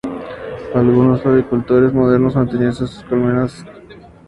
Algunos apicultores modernos mantienen a sus colmenas únicamente por la producción de cera.